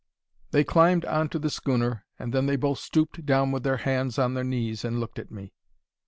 They climbed on to the schooner, and then they both stooped down with their hands on their knees and looked at me.